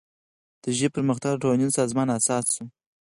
د ژبې پرمختګ د ټولنیز سازمان اساس شو.